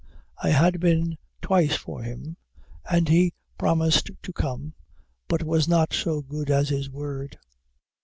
I had been twice for him, and he promised to come, but was not so good as his word.